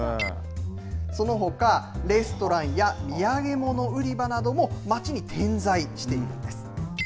そのほか、レストランや土産物売り場なども、町に点在しているんです。